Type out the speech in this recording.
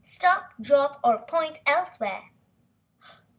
Stop, drop or point elsewhere!"